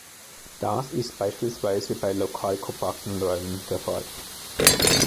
Das ist beispielsweise bei lokalkompakten Räumen der Fall.